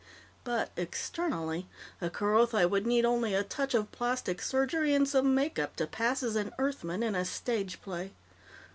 But, externally, a Kerothi would need only a touch of plastic surgery and some makeup to pass as an Earthman in a stage play.